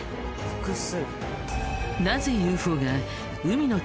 「複数」。